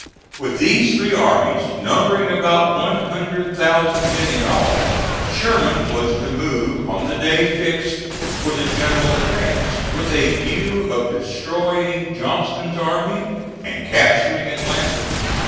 With these three armies, numbering about one hundred thousand men in all, Sherman was to move on the day fixed for the general advance, with a view of destroying Johnston's army and capturing Atlanta.